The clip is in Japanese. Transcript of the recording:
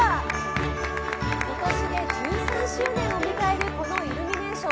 今年で１３周年を迎えるこのイルミネーション。